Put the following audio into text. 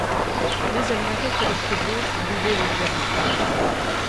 Mais elle n'avait que le pied gauche brûlé légèrement.